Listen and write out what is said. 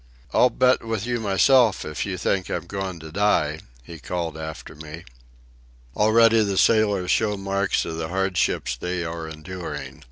"I'll bet with you myself if you think I'm goin' to die," he called after me. Already the sailors show marks of the hardship they are enduring.